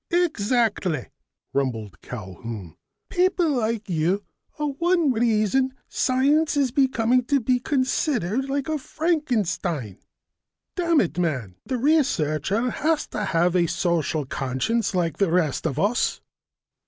"Exactly," rumbled Culquhoun. "People like you are one reason science is coming to be considered a Frankenstein. Dammit, man, the researcher has to have a social conscience like the rest of us."